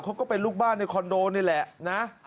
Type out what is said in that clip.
ก็เป็นลูกบ้านในคอนโดนี่แหละนะ